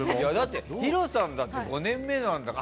弘さんだって５年目なんだから。